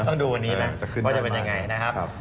ต้องดูวันนี้ไหมว่าจะเป็นยังไงนะครับ